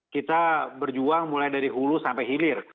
kita berjuang mulai dari hulu sampai hilir